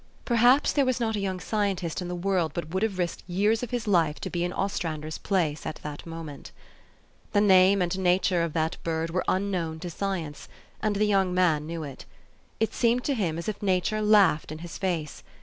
Perhaps there was not a young scientist in the world but would have risked years of his life to be in Ostrander's place at that moment. The name and nature of that bird were unknown to science ; and the young man knew it. It seemed to him as if Nature laughed in his face.